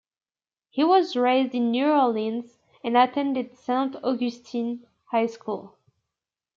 He was raised in New Orleans and attended Saint Augustine High School.